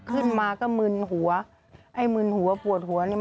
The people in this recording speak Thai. ขึ้นมาก็มึนหัวไอ้มึนหัวปวดหัวเนี่ย